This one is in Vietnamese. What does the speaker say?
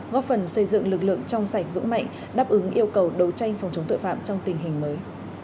góp phần xây dựng lực lượng trong sảnh vững mạnh đáp ứng yêu cầu đấu tranh phòng chống tội phạm trong tình hình mới